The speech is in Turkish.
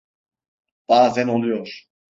Bazen oluyor.